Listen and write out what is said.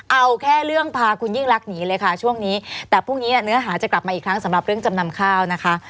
เอาแค่เรื่องพาคุณยิ่งรักหนีเลยค่ะช่วงนี้แต่พรุ่งนี้เนื้อหาจะกลับมาอีกครั้งสำหรับเรื่องจำนำข้าวนะคะ